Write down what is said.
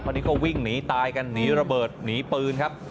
ตอนนี้ก็วิ่งหนีตายกันหนีระเบิดหนีปืนครับ